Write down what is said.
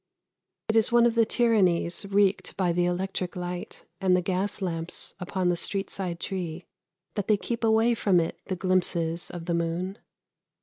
It is one of the tyrannies wreaked by the electric light and the gas lamps upon the street side tree that they keep away from it the glimpses of the moon.